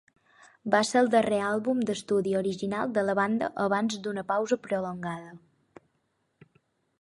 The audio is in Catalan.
Va ser el darrer àlbum d'estudi original de la banda abans d'una pausa prolongada.